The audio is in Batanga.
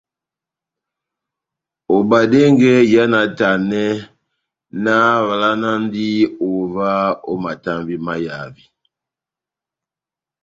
Obadɛngɛ iha náhtanɛ, nahávalanandi ová ó matambi mahavi.